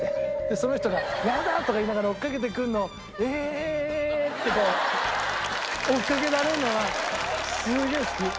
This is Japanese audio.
その人が「やだ」とか言いながら追っかけてくるのを「エヘヘヘ」ってこう追っかけられるのがすげえ好き。